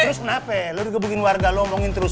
terus kenapa lo dikepukin warga lo omongin terus